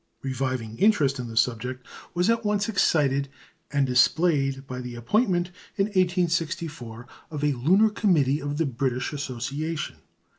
Reviving interest in the subject was at once excited and displayed by the appointment, in 1864, of a Lunar Committee of the British Association.